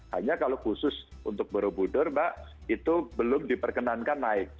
hanya kalau khusus untuk borobudur mbak itu belum diperkenankan naik